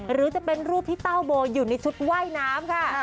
หรือจะเป็นรูปที่เต้าโบอยู่ในชุดว่ายน้ำค่ะ